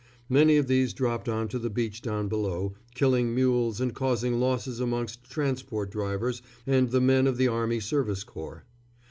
Many of these dropped on to the beach down below, killing mules and causing losses amongst transport drivers and the men of the Army Service Corps.